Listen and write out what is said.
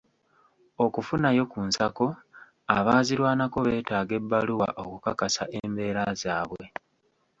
Okufunayo ku nsako, abaazirwanako beetaaga ebbaluwa okukakasa embeera zaabwe.